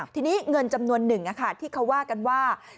ทีนี้เงินจำนวนหนึ่งที่เขาว่ากันว่า